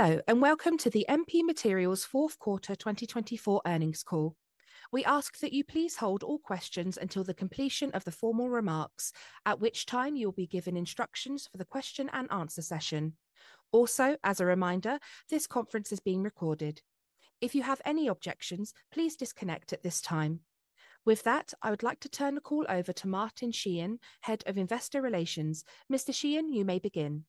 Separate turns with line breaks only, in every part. Hello, and welcome to the MP Materials Fourth Quarter 2024 Earnings Call. We ask that you please hold all questions until the completion of the formal remarks, at which time you will be given instructions for the question and answer session. Also, as a reminder, this conference is being recorded. If you have any objections, please disconnect at this time. With that, I would like to turn the call over to Martin Sheehan, Head of Investor Relations. Mr. Sheehan, you may begin.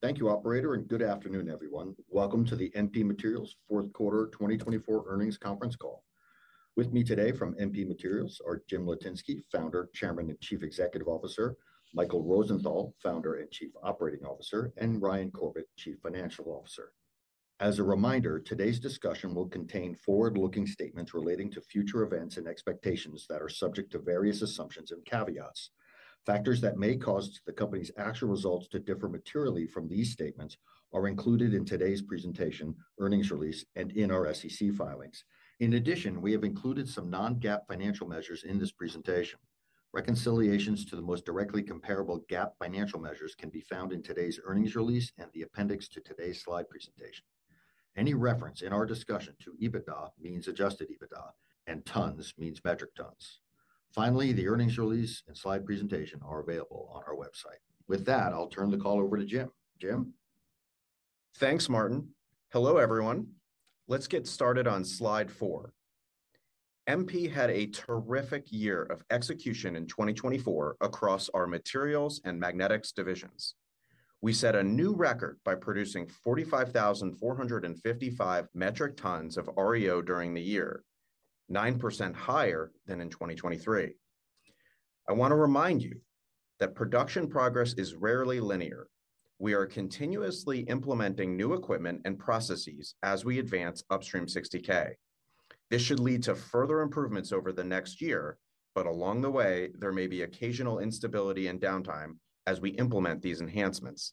Thank you, Operator, and good afternoon, everyone. Welcome to the MP Materials Fourth Quarter 2024 Earnings Conference Call. With me today from MP Materials are Jim Litinsky, Founder, Chairman and Chief Executive Officer, Michael Rosenthal, Founder and Chief Operating Officer, and Ryan Corbett, Chief Financial Officer. As a reminder, today's discussion will contain forward-looking statements relating to future events and expectations that are subject to various assumptions and caveats. Factors that may cause the company's actual results to differ materially from these statements are included in today's presentation, earnings release, and in our SEC filings. In addition, we have included some non-GAAP financial measures in this presentation. Reconciliations to the most directly comparable GAAP financial measures can be found in today's earnings release and the appendix to today's slide presentation. Any reference in our discussion to EBITDA means adjusted EBITDA, and tons means metric tons. Finally, the earnings release and slide presentation are available on our website. With that, I'll turn the call over to Jim. Jim?
Thanks, Martin. Hello, everyone. Let's get started on slide four. MP had a terrific year of execution in 2024 across our Materials and Magnetics divisions. We set a new record by producing 45,455 metric tons of REO during the year, 9% higher than in 2023. I want to remind you that production progress is rarely linear. We are continuously implementing new equipment and processes as we advance Upstream 60K. This should lead to further improvements over the next year, but along the way, there may be occasional instability and downtime as we implement these enhancements.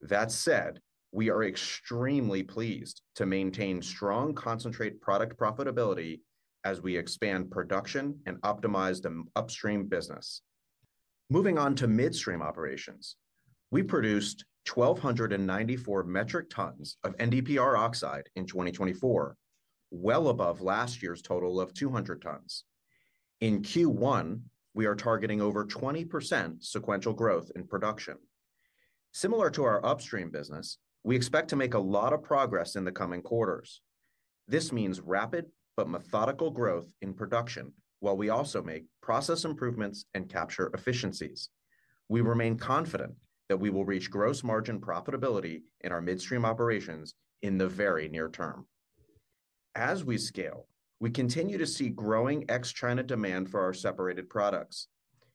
That said, we are extremely pleased to maintain strong concentrate product profitability as we expand production and optimize the upstream business. Moving on to midstream operations, we produced 1,294 metric tons of NdPr oxide in 2024, well above last year's total of 200 tons. In Q1, we are targeting over 20% sequential growth in production. Similar to our upstream business, we expect to make a lot of progress in the coming quarters. This means rapid but methodical growth in production while we also make process improvements and capture efficiencies. We remain confident that we will reach gross margin profitability in our midstream operations in the very near term. As we scale, we continue to see growing ex-China demand for our separated products.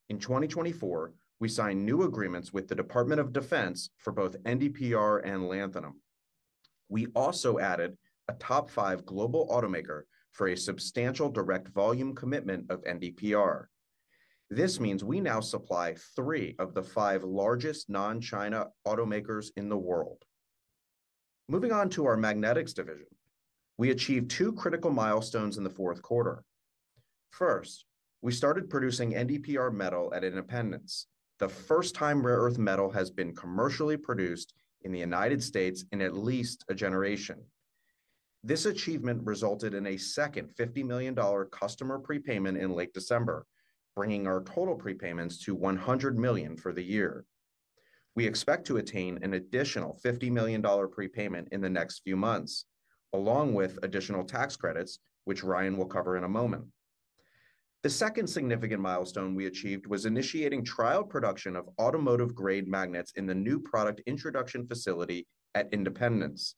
In 2024, we signed new agreements with the Department of Defense for both NdPr and lanthanum. We also added a top five global automaker for a substantial direct volume commitment of NdPr. This means we now supply three of the five largest non-China automakers in the world. Moving on to our Magnetics division, we achieved two critical milestones in the fourth quarter. First, we started producing NdPr metal at Independence. The first time rare earth metal has been commercially produced in the United States in at least a generation. This achievement resulted in a second $50 million customer prepayment in late December, bringing our total prepayments to $100 million for the year. We expect to attain an additional $50 million prepayment in the next few months, along with additional tax credits, which Ryan will cover in a moment. The second significant milestone we achieved was initiating trial production of automotive-grade magnets in the new product introduction facility at Independence.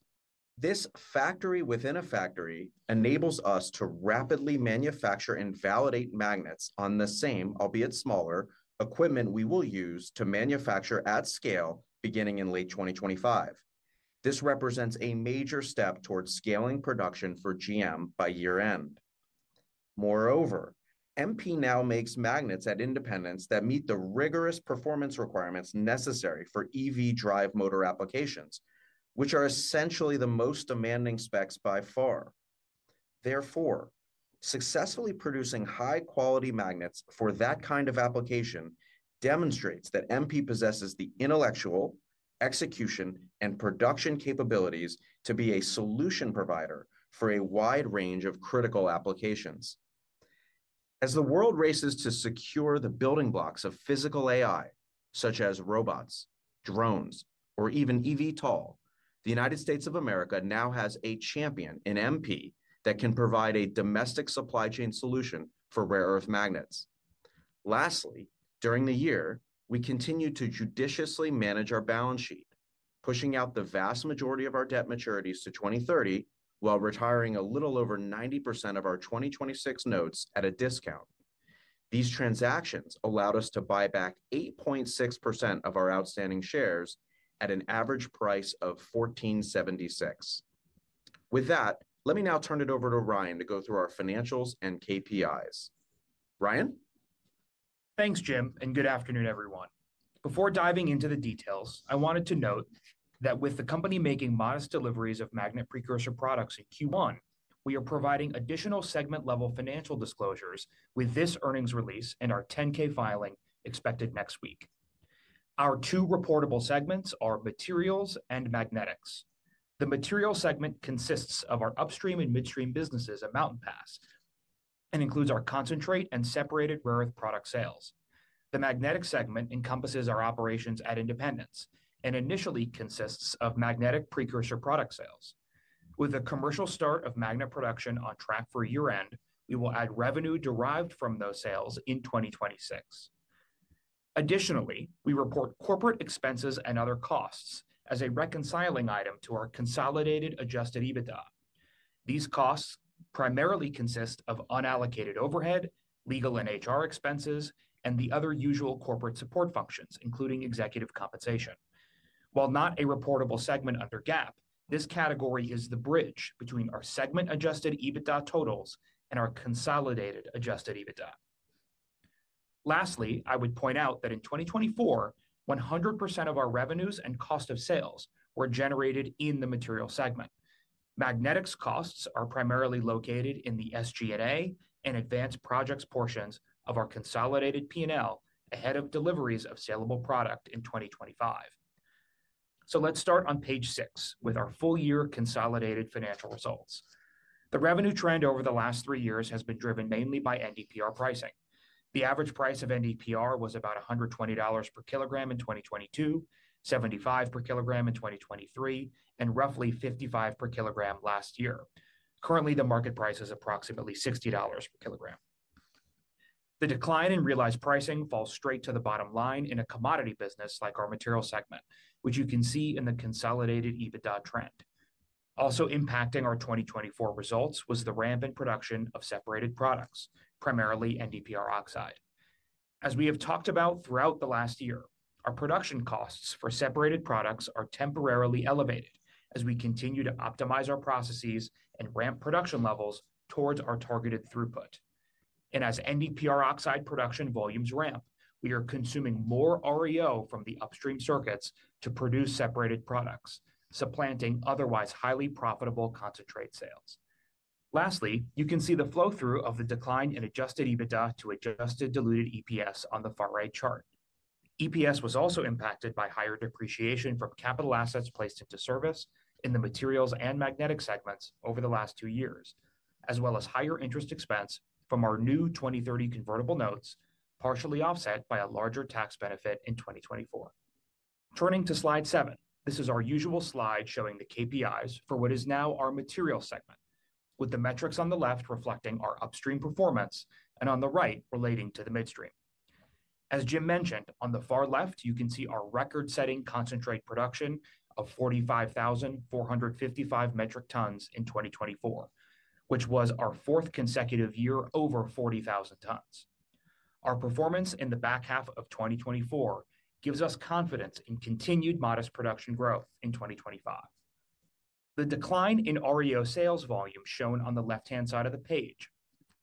This factory-within-a-factory enables us to rapidly manufacture and validate magnets on the same, albeit smaller, equipment we will use to manufacture at scale beginning in late 2025. This represents a major step towards scaling production for GM by year-end. Moreover, MP now makes magnets at Independence that meet the rigorous performance requirements necessary for EV drive motor applications, which are essentially the most demanding specs by far. Therefore, successfully producing high-quality magnets for that kind of application demonstrates that MP possesses the intellectual, execution, and production capabilities to be a solution provider for a wide range of critical applications. As the world races to secure the building blocks of physical AI, such as robots, drones, or even eVTOL, the United States of America now has a champion in MP that can provide a domestic supply chain solution for rare earth magnets. Lastly, during the year, we continue to judiciously manage our balance sheet, pushing out the vast majority of our debt maturities to 2030 while retiring a little over 90% of our 2026 notes at a discount. These transactions allowed us to buy back 8.6% of our outstanding shares at an average price of $1,476. With that, let me now turn it over to Ryan to go through our financials and KPIs. Ryan?
Thanks, Jim, and good afternoon, everyone. Before diving into the details, I wanted to note that with the company making modest deliveries of magnet precursor products in Q1, we are providing additional segment-level financial disclosures with this earnings release and our 10-K filing expected next week. Our two reportable segments are Materials and Magnetics. The Materials segment consists of our upstream and midstream businesses at Mountain Pass and includes our concentrate and separated rare earth product sales. The Magnetic segment encompasses our operations at Independence and initially consists of magnetic precursor product sales. With the commercial start of magnet production on track for year-end, we will add revenue derived from those sales in 2026. Additionally, we report corporate expenses and other costs as a reconciling item to our consolidated adjusted EBITDA. These costs primarily consist of unallocated overhead, legal and HR expenses, and the other usual corporate support functions, including executive compensation. While not a reportable segment under GAAP, this category is the bridge between our segment-adjusted EBITDA totals and our consolidated adjusted EBITDA. Lastly, I would point out that in 2024, 100% of our revenues and cost of sales were generated in the Materials segment. Magnetics costs are primarily located in the SG&A and advanced projects portions of our consolidated P&L ahead of deliveries of saleable product in 2025. So let's start on page six with our full-year consolidated financial results. The revenue trend over the last three years has been driven mainly by NdPr pricing. The average price of NdPr was about $120 per kilogram in 2022, $75 per kilogram in 2023, and roughly $55 per kilogram last year. Currently, the market price is approximately $60 per kilogram. The decline in realized pricing falls straight to the bottom line in a commodity business like our Materials segment, which you can see in the consolidated EBITDA trend. Also impacting our 2024 results was the ramp in production of separated products, primarily NdPr oxide. As we have talked about throughout the last year, our production costs for separated products are temporarily elevated as we continue to optimize our processes and ramp production levels towards our targeted throughput. And as NdPr oxide production volumes ramp, we are consuming more REO from the upstream circuits to produce separated products, supplanting otherwise highly profitable concentrate sales. Lastly, you can see the flow-through of the decline in adjusted EBITDA to adjusted diluted EPS on the far-right chart. EPS was also impacted by higher depreciation from capital assets placed into service in the Materials and Magnetic segments over the last two years, as well as higher interest expense from our new 2030 convertible notes, partially offset by a larger tax benefit in 2024. Turning to slide seven, this is our usual slide showing the KPIs for what is now our Materials segment, with the metrics on the left reflecting our upstream performance and on the right relating to the midstream. As Jim mentioned, on the far left, you can see our record-setting concentrate production of 45,455 metric tons in 2024, which was our fourth consecutive year over 40,000 tons. Our performance in the back half of 2024 gives us confidence in continued modest production growth in 2025. The decline in REO sales volume shown on the left-hand side of the page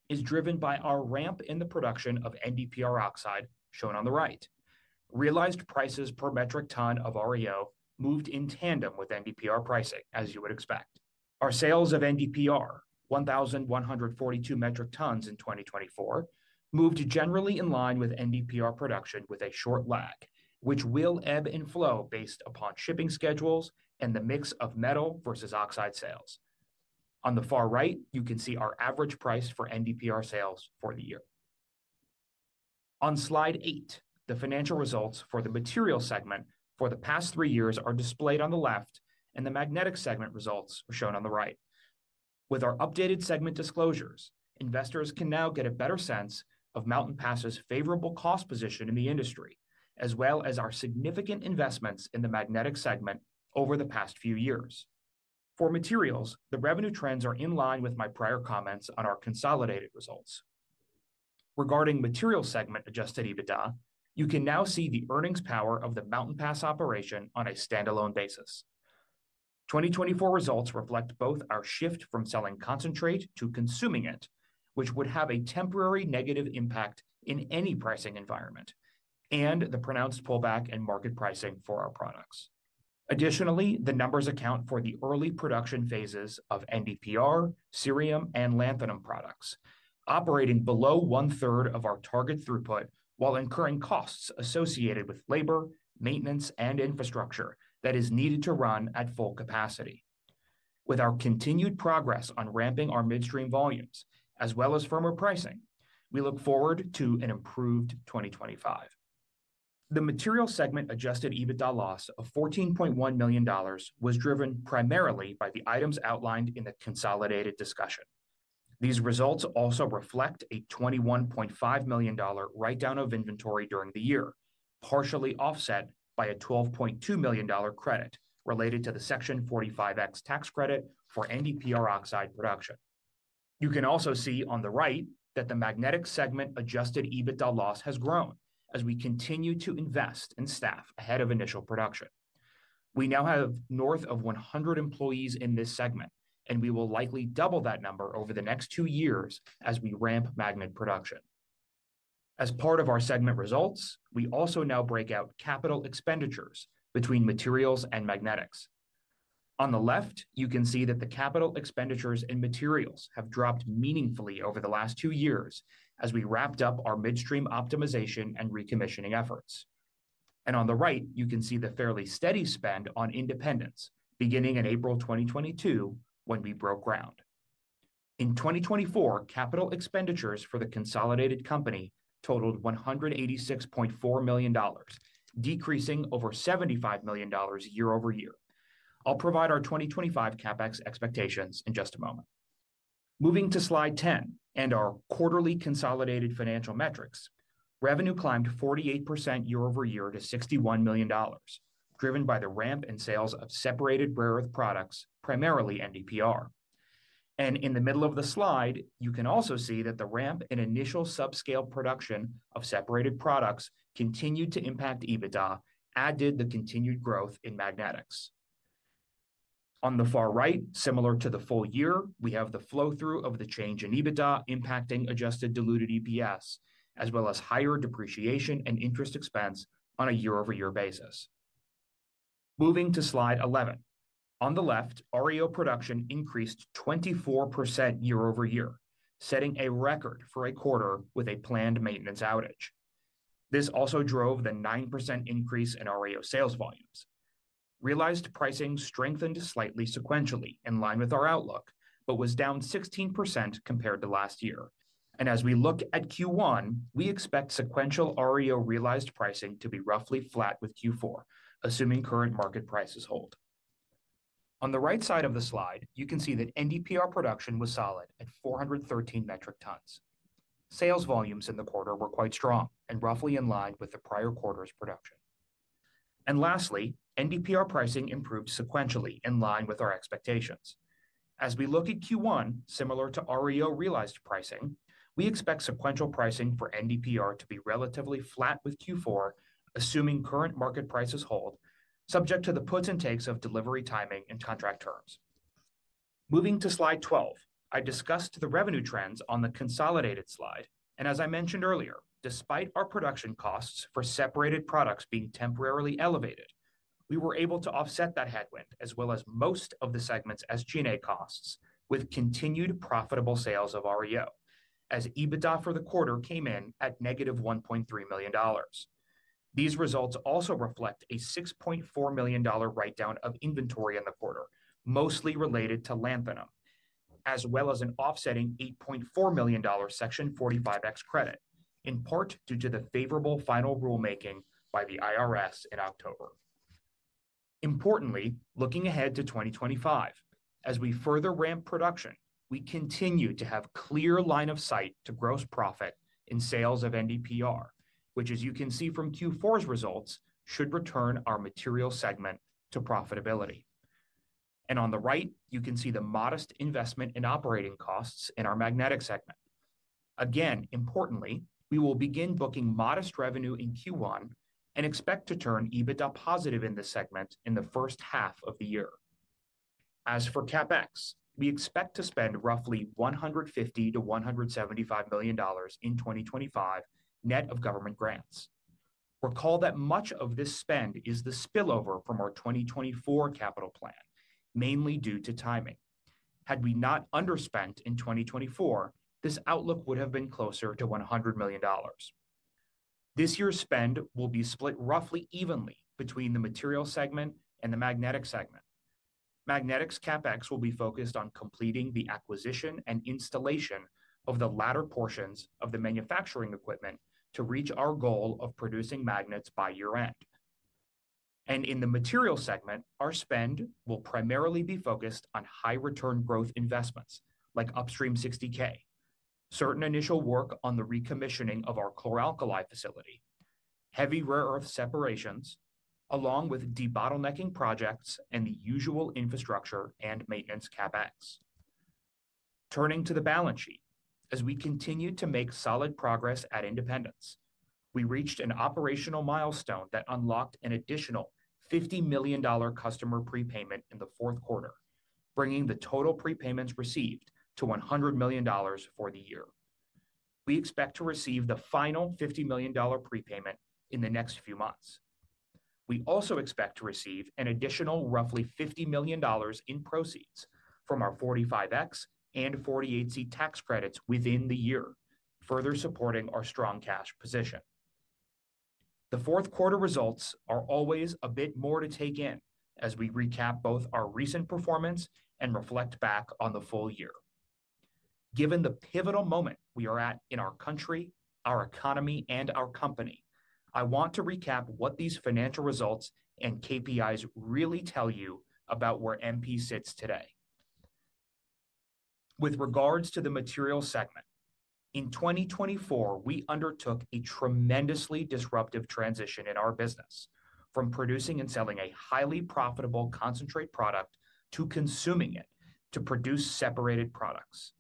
is driven by our ramp in the production of NdPr oxide shown on the right. Realized prices per metric ton of REO moved in tandem with NdPr pricing, as you would expect. Our sales of NdPr, 1,142 metric tons in 2024, moved generally in line with NdPr production with a short lag, which will ebb and flow based upon shipping schedules and the mix of metal versus oxide sales. On the far right, you can see our average price for NdPr sales for the year. On slide eight, the financial results for the Materials segment for the past three years are displayed on the left, and the Magnetic segment results are shown on the right. With our updated segment disclosures, investors can now get a better sense of Mountain Pass's favorable cost position in the industry, as well as our significant investments in the Magnetic segment over the past few years. For Materials, the revenue trends are in line with my prior comments on our consolidated results. Regarding Materials segment adjusted EBITDA, you can now see the earnings power of the Mountain Pass operation on a standalone basis. 2024 results reflect both our shift from selling concentrate to consuming it, which would have a temporary negative impact in any pricing environment, and the pronounced pullback in market pricing for our products. Additionally, the numbers account for the early production phases of NdPr, cerium, and lanthanum products, operating below 1/3 of our target throughput while incurring costs associated with labor, maintenance, and infrastructure that is needed to run at full capacity. With our continued progress on ramping our midstream volumes, as well as firmer pricing, we look forward to an improved 2025. The Materials segment adjusted EBITDA loss of $14.1 million was driven primarily by the items outlined in the consolidated discussion. These results also reflect a $21.5 million write-down of inventory during the year, partially offset by a $12.2 million credit related to the Section 45X tax credit for NdPr oxide production. You can also see on the right that the Magnetics segment adjusted EBITDA loss has grown as we continue to invest in staff ahead of initial production. We now have north of 100 employees in this segment, and we will likely double that number over the next two years as we ramp magnet production. As part of our segment results, we also now break out capital expenditures between Materials and Magnetics. On the left, you can see that the capital expenditures in Materials have dropped meaningfully over the last two years as we wrapped up our midstream optimization and recommissioning efforts. And on the right, you can see the fairly steady spend on Independence beginning in April 2022 when we broke ground. In 2024, capital expenditures for the consolidated company totaled $186.4 million, decreasing over $75 million year-over-year. I'll provide our 2025 CapEx expectations in just a moment. Moving to slide 10 and our quarterly consolidated financial metrics, revenue climbed 48% year-over-year to $61 million, driven by the ramp in sales of separated rare earth products, primarily NdPr. And in the middle of the slide, you can also see that the ramp in initial subscale production of separated products continued to impact EBITDA, added the continued growth in Magnetics. On the far right, similar to the full year, we have the flow-through of the change in EBITDA impacting adjusted diluted EPS, as well as higher depreciation and interest expense on a year-over-year basis. Moving to slide 11, on the left, REO production increased 24% year-over-year, setting a record for a quarter with a planned maintenance outage. This also drove the 9% increase in REO sales volumes. Realized pricing strengthened slightly sequentially in line with our outlook, but was down 16% compared to last year. As we look at Q1, we expect sequential REO realized pricing to be roughly flat with Q4, assuming current market prices hold. On the right side of the slide, you can see that NdPr production was solid at 413 metric tons. Sales volumes in the quarter were quite strong and roughly in line with the prior quarter's production. Lastly, NdPr pricing improved sequentially in line with our expectations. As we look at Q1, similar to REO realized pricing, we expect sequential pricing for NdPr to be relatively flat with Q4, assuming current market prices hold, subject to the puts and takes of delivery timing and contract terms. Moving to slide 12, I discussed the revenue trends on the consolidated slide. As I mentioned earlier, despite our production costs for separated products being temporarily elevated, we were able to offset that headwind as well as most of the segments' SG&A costs with continued profitable sales of REO, as EBITDA for the quarter came in at $-1.3 million. These results also reflect a $6.4 million write-down of inventory in the quarter, mostly related to lanthanum, as well as an offsetting $8.4 million Section 45X credit, in part due to the favorable final rulemaking by the IRS in October. Importantly, looking ahead to 2025, as we further ramp production, we continue to have clear line of sight to gross profit in sales of NdPr, which, as you can see from Q4's results, should return our Materials segment to profitability, and on the right, you can see the modest investment in operating costs in our Magnetic segment. Again, importantly, we will begin booking modest revenue in Q1 and expect to turn EBITDA positive in this segment in the first half of the year. As for CapEx, we expect to spend roughly $150 million-$175 million in 2025 net of government grants. Recall that much of this spend is the spillover from our 2024 capital plan, mainly due to timing. Had we not underspent in 2024, this outlook would have been closer to $100 million. This year's spend will be split roughly evenly between the Materials segment and the Magnetic segment. Magnetics CapEx will be focused on completing the acquisition and installation of the latter portions of the manufacturing equipment to reach our goal of producing magnets by year-end. In the Materials segment, our spend will primarily be focused on high-return growth investments like Upstream 60K, certain initial work on the recommissioning of our chlor-alkali facility, heavy rare earth separations, along with debottlenecking projects and the usual infrastructure and maintenance CapEx. Turning to the balance sheet, as we continue to make solid progress at Independence, we reached an operational milestone that unlocked an additional $50 million customer prepayment in the fourth quarter, bringing the total prepayments received to $100 million for the year. We expect to receive the final $50 million prepayment in the next few months. We also expect to receive an additional roughly $50 million in proceeds from our 45X and 48C tax credits within the year, further supporting our strong cash position. The fourth quarter results are always a bit more to take in as we recap both our recent performance and reflect back on the full year. Given the pivotal moment we are at in our country, our economy, and our company, I want to recap what these financial results and KPIs really tell you about where MP sits today. With regards to the Materials segment, in 2024, we undertook a tremendously disruptive transition in our business from producing and selling a highly profitable concentrate product to consuming it to produce separated products.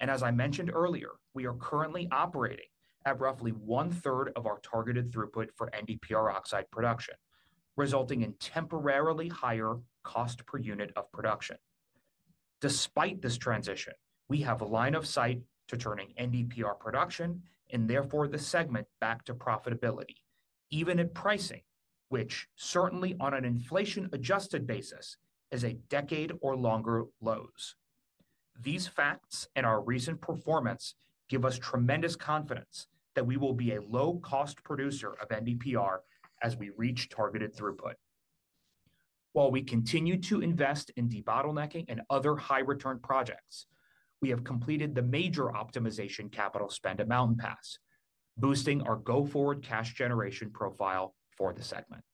And as I mentioned earlier, we are currently operating at roughly one-third of our targeted throughput for NdPr oxide production, resulting in temporarily higher cost per unit of production. Despite this transition, we have a line of sight to turning NdPr production and therefore the segment back to profitability, even at pricing, which certainly on an inflation-adjusted basis is a decade or longer lows. These facts and our recent performance give us tremendous confidence that we will be a low-cost producer of NdPr as we reach targeted throughput. While we continue to invest in debottlenecking and other high-return projects, we have completed the major optimization capital spend at Mountain Pass, boosting our go-forward cash generation profile for the segment.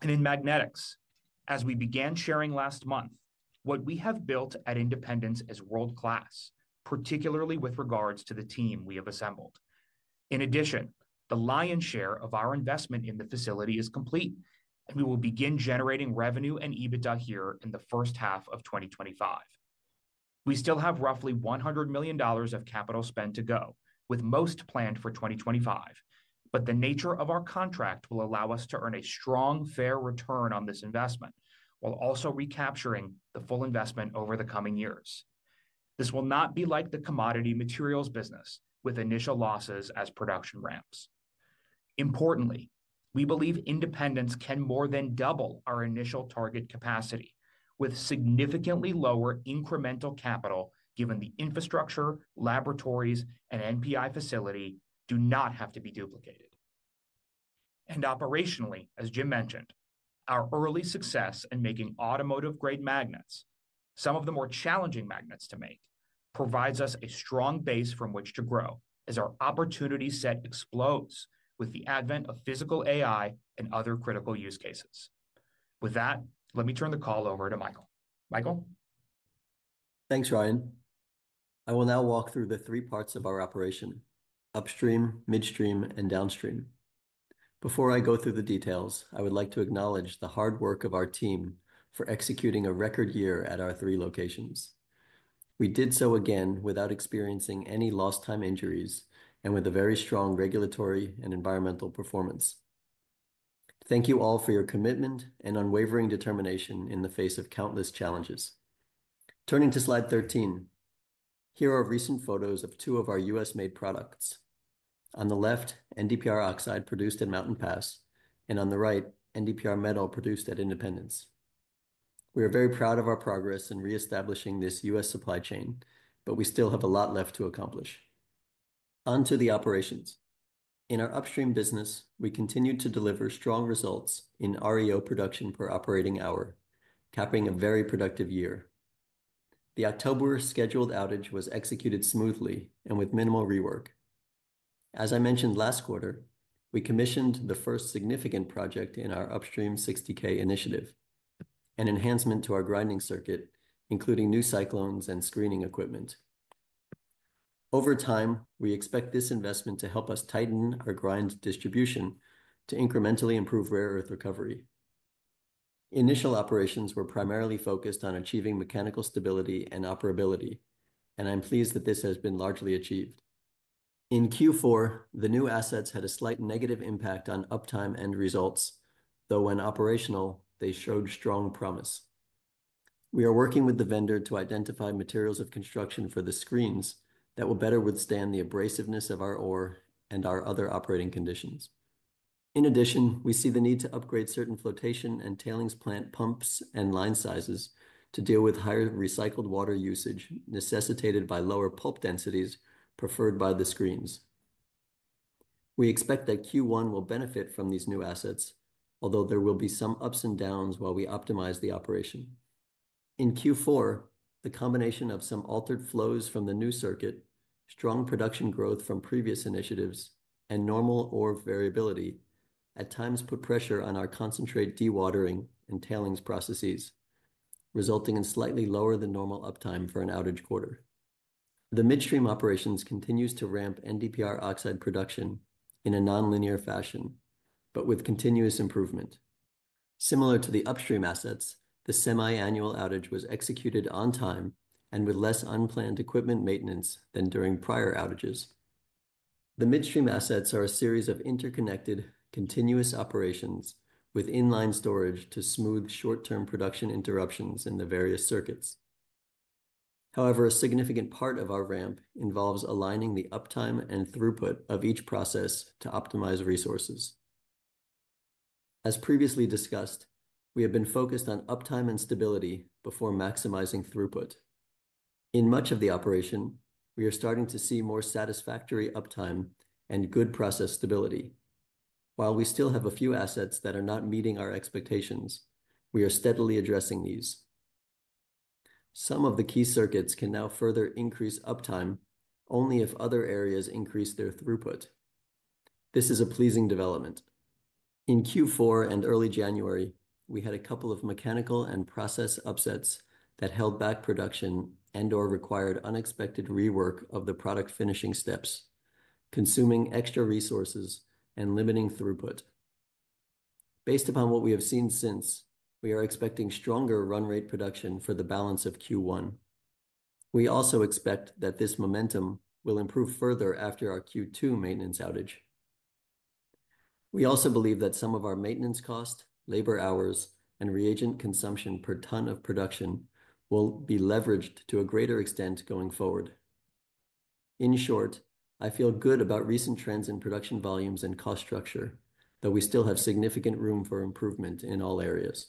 And in Magnetics, as we began sharing last month, what we have built at Independence is world-class, particularly with regards to the team we have assembled. In addition, the lion's share of our investment in the facility is complete, and we will begin generating revenue and EBITDA here in the first half of 2025. We still have roughly $100 million of capital spend to go, with most planned for 2025, but the nature of our contract will allow us to earn a strong, fair return on this investment while also recapturing the full investment over the coming years. This will not be like the commodity Materials business with initial losses as production ramps. Importantly, we believe Independence can more than double our initial target capacity with significantly lower incremental capital given the infrastructure, laboratories, and NPI facility do not have to be duplicated, and operationally, as Jim mentioned, our early success in making automotive-grade magnets, some of the more challenging magnets to make, provides us a strong base from which to grow as our opportunity set explodes with the advent of physical AI and other critical use cases. With that, let me turn the call over to Michael. Michael?
Thanks, Ryan. I will now walk through the three parts of our operation: upstream, midstream, and downstream. Before I go through the details, I would like to acknowledge the hard work of our team for executing a record year at our three locations. We did so again without experiencing any lost-time injuries and with a very strong regulatory and environmental performance. Thank you all for your commitment and unwavering determination in the face of countless challenges. Turning to slide 13, here are recent photos of two of our U.S.-made products. On the left, NdPr oxide produced at Mountain Pass, and on the right, NdPr metal produced at Independence. We are very proud of our progress in reestablishing this U.S. supply chain, but we still have a lot left to accomplish. On to the operations. In our upstream business, we continued to deliver strong results in REO production per operating hour, capping a very productive year. The October scheduled outage was executed smoothly and with minimal rework. As I mentioned last quarter, we commissioned the first significant project in our Upstream 60K initiative, an enhancement to our grinding circuit, including new cyclones and screening equipment. Over time, we expect this investment to help us tighten our grind distribution to incrementally improve rare earth recovery. Initial operations were primarily focused on achieving mechanical stability and operability, and I'm pleased that this has been largely achieved. In Q4, the new assets had a slight negative impact on uptime and results, though when operational, they showed strong promise. We are working with the vendor to identify materials of construction for the screens that will better withstand the abrasiveness of our ore and our other operating conditions. In addition, we see the need to upgrade certain flotation and tailings plant pumps and line sizes to deal with higher recycled water usage necessitated by lower pulp densities preferred by the screens. We expect that Q1 will benefit from these new assets, although there will be some ups and downs while we optimize the operation. In Q4, the combination of some altered flows from the new circuit, strong production growth from previous initiatives, and normal ore variability at times put pressure on our concentrate dewatering and tailings processes, resulting in slightly lower than normal uptime for an outage quarter. The midstream operations continue to ramp NdPr oxide production in a non-linear fashion, but with continuous improvement. Similar to the upstream assets, the semi-annual outage was executed on time and with less unplanned equipment maintenance than during prior outages. The midstream assets are a series of interconnected continuous operations with inline storage to smooth short-term production interruptions in the various circuits. However, a significant part of our ramp involves aligning the uptime and throughput of each process to optimize resources. As previously discussed, we have been focused on uptime and stability before maximizing throughput. In much of the operation, we are starting to see more satisfactory uptime and good process stability. While we still have a few assets that are not meeting our expectations, we are steadily addressing these. Some of the key circuits can now further increase uptime only if other areas increase their throughput. This is a pleasing development. In Q4 and early January, we had a couple of mechanical and process upsets that held back production and/or required unexpected rework of the product finishing steps, consuming extra resources and limiting throughput. Based upon what we have seen since, we are expecting stronger run rate production for the balance of Q1. We also expect that this momentum will improve further after our Q2 maintenance outage. We also believe that some of our maintenance cost, labor hours, and reagent consumption per ton of production will be leveraged to a greater extent going forward. In short, I feel good about recent trends in production volumes and cost structure, though we still have significant room for improvement in all areas.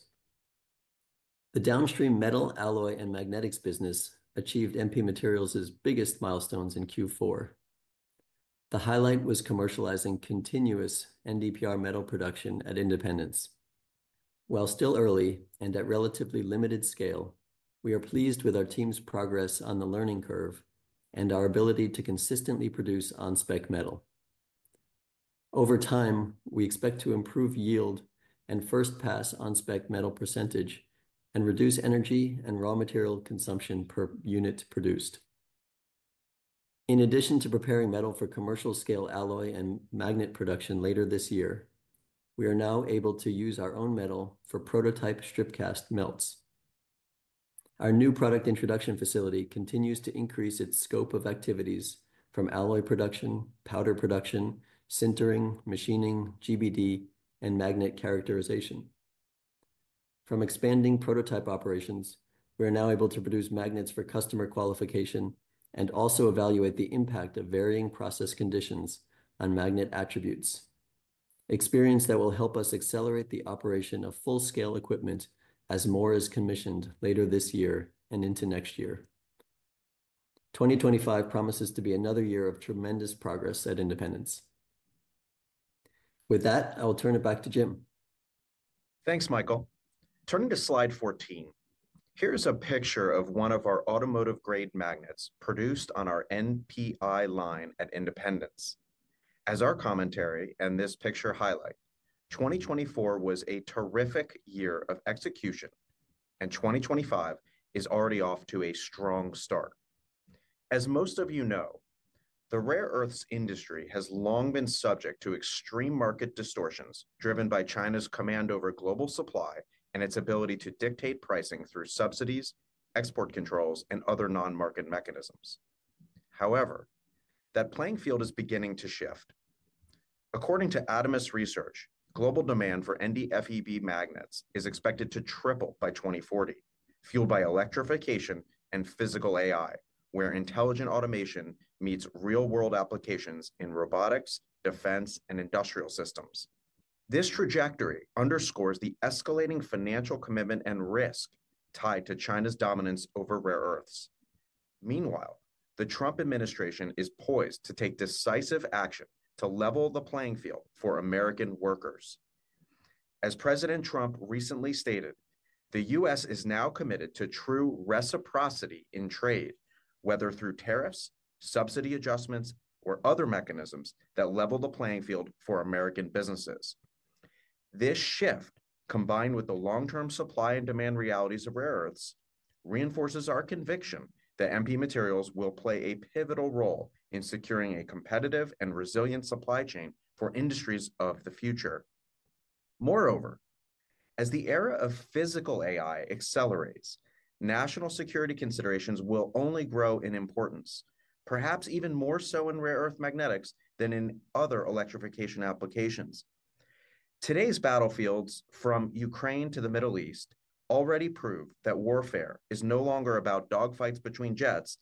The downstream metal, alloy, and Magnetics business achieved MP Materials' biggest milestones in Q4. The highlight was commercializing continuous NdPr metal production at Independence. While still early and at relatively limited scale, we are pleased with our team's progress on the learning curve and our ability to consistently produce on-spec metal. Over time, we expect to improve yield and first-pass on-spec metal percentage and reduce energy and raw material consumption per unit produced. In addition to preparing metal for commercial-scale alloy and magnet production later this year, we are now able to use our own metal for prototype strip cast melts. Our new product introduction facility continues to increase its scope of activities from alloy production, powder production, sintering, machining, GBD, and magnet characterization. From expanding prototype operations, we are now able to produce magnets for customer qualification and also evaluate the impact of varying process conditions on magnet attributes, experience that will help us accelerate the operation of full-scale equipment as more is commissioned later this year and into next year. 2025 promises to be another year of tremendous progress at Independence. With that, I will turn it back to Jim.
Thanks, Michael. Turning to slide 14, here's a picture of one of our automotive-grade magnets produced on our NPI line at Independence. As our commentary and this picture highlight, 2024 was a terrific year of execution, and 2025 is already off to a strong start. As most of you know, the rare earths industry has long been subject to extreme market distortions driven by China's command over global supply and its ability to dictate pricing through subsidies, export controls, and other non-market mechanisms. However, that playing field is beginning to shift. According to Adamas' research, global demand for NdFeB magnets is expected to triple by 2040, fueled by electrification and physical AI, where intelligent automation meets real-world applications in robotics, defense, and industrial systems. This trajectory underscores the escalating financial commitment and risk tied to China's dominance over rare earths. Meanwhile, the Trump administration is poised to take decisive action to level the playing field for American workers. As President Trump recently stated, the U.S. is now committed to true reciprocity in trade, whether through tariffs, subsidy adjustments, or other mechanisms that level the playing field for American businesses. This shift, combined with the long-term supply and demand realities of rare earths, reinforces our conviction that MP Materials will play a pivotal role in securing a competitive and resilient supply chain for industries of the future. Moreover, as the era of physical AI accelerates, national security considerations will only grow in importance, perhaps even more so in rare earth magnetics than in other electrification applications. Today's battlefields, from Ukraine to the Middle East, already prove that warfare is no longer about dogfights between jets,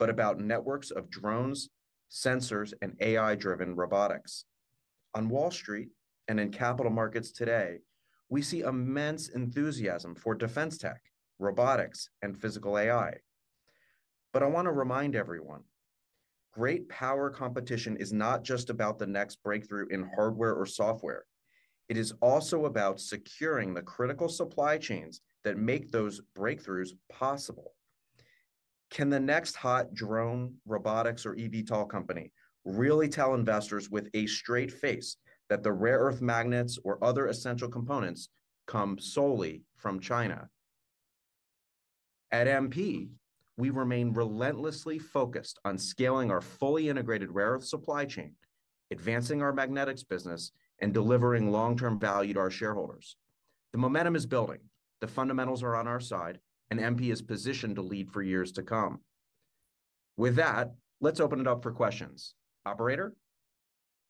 but about networks of drones, sensors, and AI-driven robotics. On Wall Street and in capital markets today, we see immense enthusiasm for defense tech, robotics, and physical AI. But I want to remind everyone, great power competition is not just about the next breakthrough in hardware or software. It is also about securing the critical supply chains that make those breakthroughs possible. Can the next hot drone, robotics, or eVTOL company really tell investors with a straight face that the rare earth magnets or other essential components come solely from China? At MP, we remain relentlessly focused on scaling our fully integrated rare earth supply chain, advancing our Magnetics business, and delivering long-term value to our shareholders. The momentum is building. The fundamentals are on our side, and MP is positioned to lead for years to come. With that, let's open it up for questions. Operator?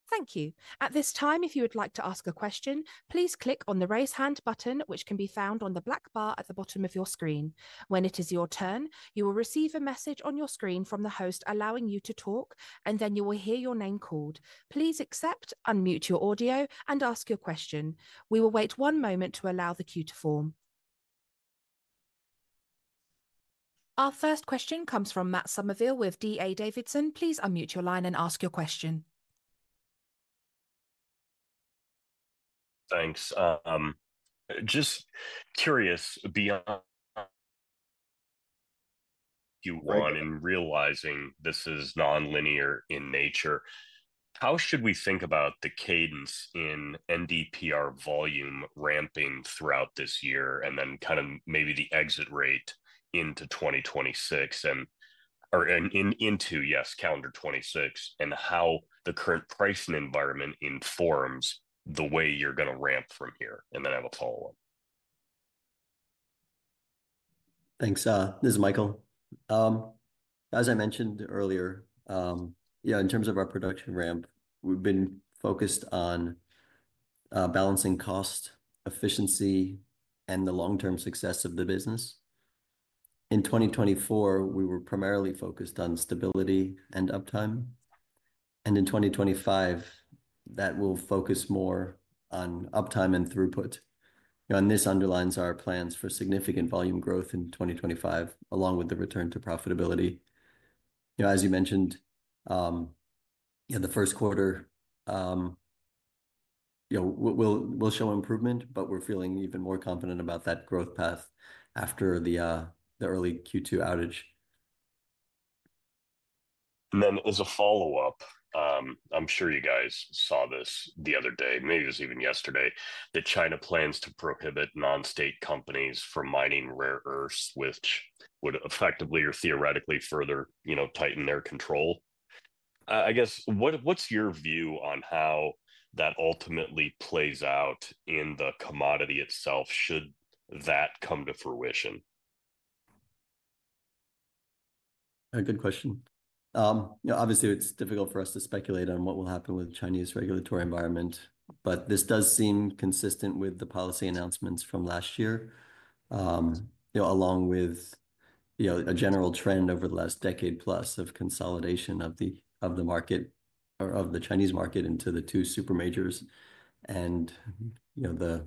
Thank you. At this time, if you would like to ask a question, please click on the raise hand button, which can be found on the black bar at the bottom of your screen. When it is your turn, you will receive a message on your screen from the host allowing you to talk, and then you will hear your name called. Please accept, unmute your audio, and ask your question. We will wait one moment to allow the queue to form. Our first question comes from Matt Summerville with D.A. Davidson. Please unmute your line and ask your question.
Thanks. Just curious, beyond Q1 and realizing this is non-linear in nature, how should we think about the cadence in NdPr volume ramping throughout this year and then kind of maybe the exit rate into 2026 and into, yes, calendar 2026, and how the current pricing environment informs the way you're going to ramp from here and then have a follow-up?
Thanks. This is Michael. As I mentioned earlier, yeah, in terms of our production ramp, we've been focused on balancing cost, efficiency, and the long-term success of the business. In 2024, we were primarily focused on stability and uptime, and in 2025, that will focus more on uptime and throughput. This underlines our plans for significant volume growth in 2025, along with the return to profitability. As you mentioned, the first quarter will show improvement, but we're feeling even more confident about that growth path after the early Q2 outage.
Then as a follow-up, I'm sure you guys saw this the other day, maybe it was even yesterday, that China plans to prohibit non-state companies from mining rare earths, which would effectively or theoretically further tighten their control. I guess, what's your view on how that ultimately plays out in the commodity itself should that come to fruition?
Good question. Obviously, it's difficult for us to speculate on what will happen with the Chinese regulatory environment, but this does seem consistent with the policy announcements from last year, along with a general trend over the last decade plus of consolidation of the market or of the Chinese market into the two super majors and the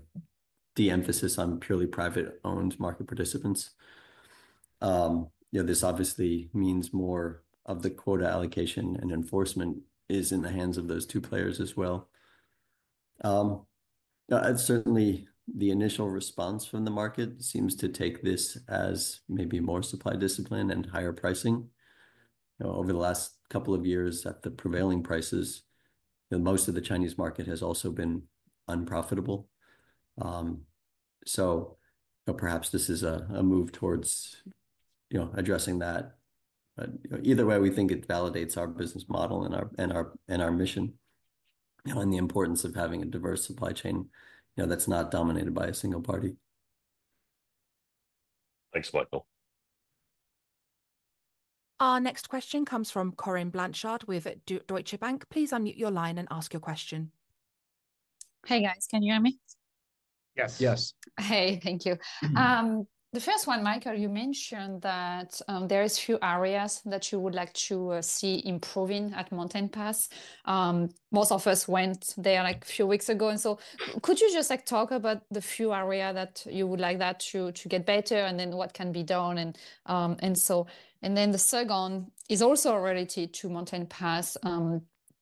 de-emphasis on purely privately owned market participants. This obviously means more of the quota allocation and enforcement is in the hands of those two players as well. Certainly, the initial response from the market seems to take this as maybe more supply discipline and higher pricing. Over the last couple of years at the prevailing prices, most of the Chinese market has also been unprofitable. So perhaps this is a move toward addressing that. But either way, we think it validates our business model and our mission and the importance of having a diverse supply chain that's not dominated by a single party.
Thanks, Michael.
Our next question comes from Corinne Blanchard with Deutsche Bank. Please unmute your line and ask your question.
Hey, guys, can you hear me?
Yes. Yes.
Hey, thank you. The first one, Michael, you mentioned that there are a few areas that you would like to see improving at Mountain Pass. Most of us went there like a few weeks ago. And so could you just talk about the few areas that you would like that to get better and then what can be done? And so then the second is also related to Mountain Pass.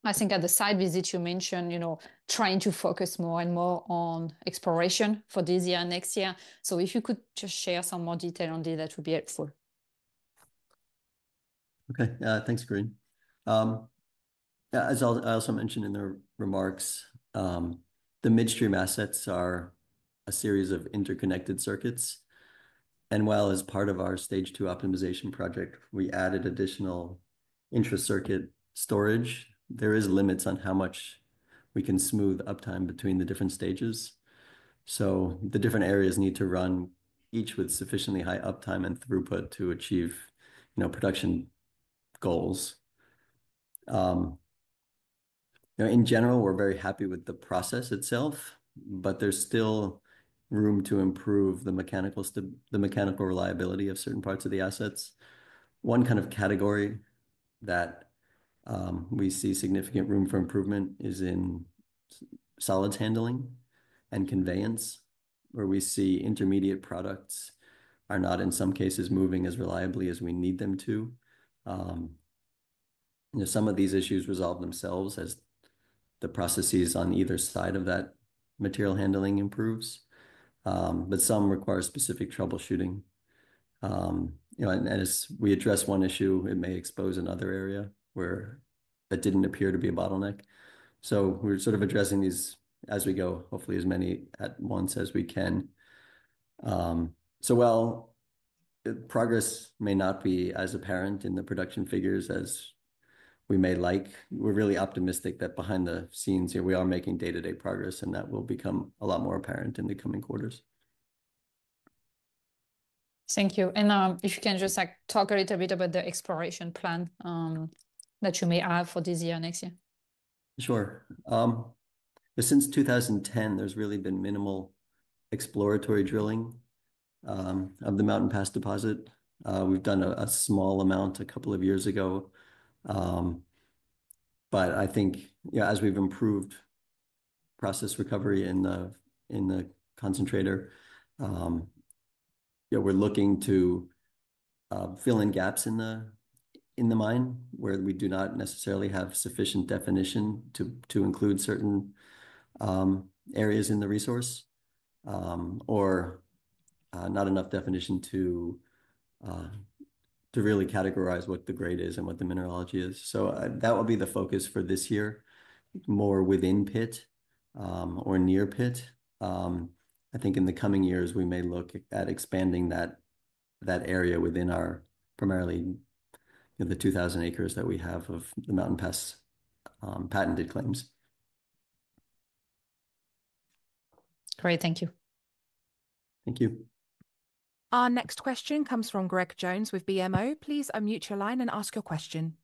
I think at the site visit, you mentioned trying to focus more and more on exploration for this year and next year. So if you could just share some more detail on this, that would be helpful.
Okay. Thanks, Corinne. As I also mentioned in the remarks, the midstream assets are a series of interconnected circuits. And while as part of our Stage II optimization project, we added additional intra-circuit storage, there are limits on how much we can smooth uptime between the different stages. So the different areas need to run each with sufficiently high uptime and throughput to achieve production goals. In general, we're very happy with the process itself, but there's still room to improve the mechanical reliability of certain parts of the assets. One kind of category that we see significant room for improvement is in solids handling and conveyance, where we see intermediate products are not, in some cases, moving as reliably as we need them to. Some of these issues resolve themselves as the processes on either side of that material handling improves, but some require specific troubleshooting. And as we address one issue, it may expose another area where that didn't appear to be a bottleneck. So we're sort of addressing these as we go, hopefully as many at once as we can. So while progress may not be as apparent in the production figures as we may like, we're really optimistic that behind the scenes here, we are making day-to-day progress, and that will become a lot more apparent in the coming quarters.
Thank you. And if you can just talk a little bit about the exploration plan that you may have for this year and next year.
Sure. Since 2010, there's really been minimal exploratory drilling of the Mountain Pass deposit. We've done a small amount a couple of years ago. But I think as we've improved process recovery in the concentrator, we're looking to fill in gaps in the mine where we do not necessarily have sufficient definition to include certain areas in the resource or not enough definition to really categorize what the grade is and what the mineralogy is. So that will be the focus for this year, more within pit or near pit. I think in the coming years, we may look at expanding that area within our primarily the 2,000 acres that we have of the Mountain Pass patented claims.
Great. Thank you.
Thank you.
Our next question comes from Greg Jones with BMO. Please unmute your line and ask your question.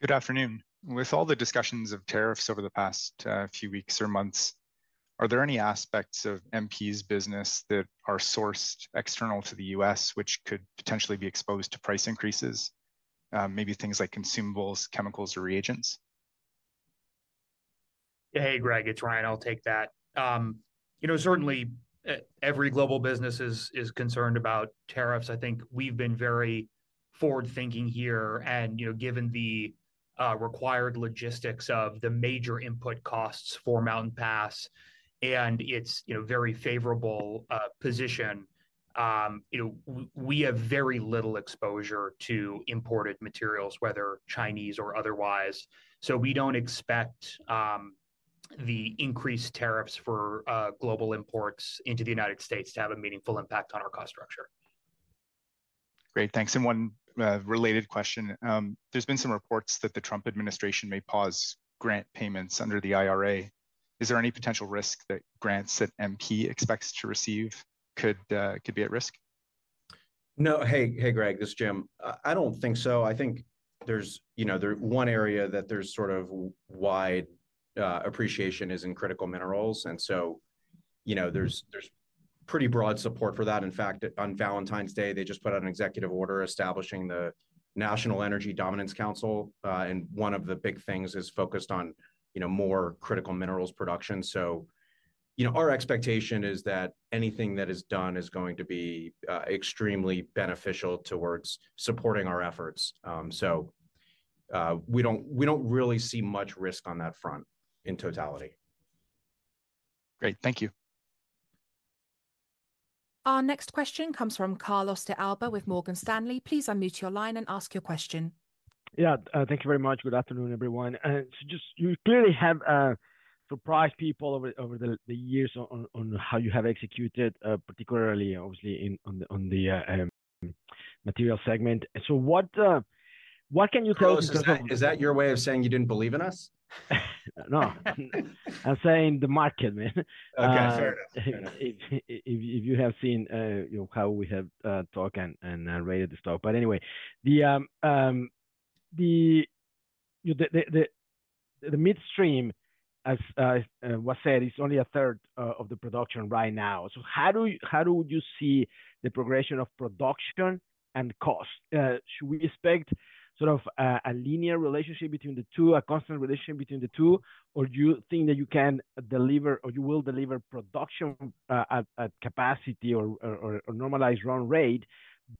Good afternoon. With all the discussions of tariffs over the past few weeks or months, are there any aspects of MP's business that are sourced external to the U.S.? which could potentially be exposed to price increases, maybe things like consumables, chemicals, or reagents?
Hey, Greg, it's Ryan. I'll take that. Certainly, every global business is concerned about tariffs. I think we've been very forward-thinking here. And given the required logistics of the major input costs for Mountain Pass and its very favorable position, we have very little exposure to imported materials, whether Chinese or otherwise. So we don't expect the increased tariffs for global imports into the United States to have a meaningful impact on our cost structure.
Great. Thanks. And one related question. There's been some reports that the Trump administration may pause grant payments under the IRA. Is there any potential risk that grants that MP expects to receive could be at risk?
No. Hey, Greg, this is Jim. I don't think so. I think there's one area that there's sort of wide appreciation is in critical minerals. And so there's pretty broad support for that. In fact, on Valentine's Day, they just put out an executive order establishing the National Energy Dominance Council. And one of the big things is focused on more critical minerals production. So our expectation is that anything that is done is going to be extremely beneficial towards supporting our efforts. So we don't really see much risk on that front in totality.
Great. Thank you.
Our next question comes from Carlos de Alba with Morgan Stanley. Please unmute your line and ask your question.
Yeah. Thank you very much. Good afternoon, everyone. And you clearly have surprised people over the years on how you have executed, particularly, obviously, on the Material segment. So what can you tell us?
Is that your way of saying you didn't believe in us?
No. I'm saying the market, man. Okay. Sorry. If you have seen how we have talked and rated the stock. But anyway, the midstream, as was said, is only a third of the production right now. So how would you see the progression of production and cost? Should we expect sort of a linear relationship between the two, a constant relationship between the two, or do you think that you can deliver or you will deliver production at capacity or normalized run rate